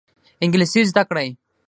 انګلیسي زده کړئ